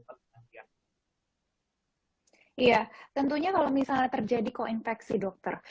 iya tentunya kalau misalnya terjadi koinfeksi dokter